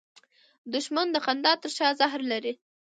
دښمن د خندا تر شا زهر لري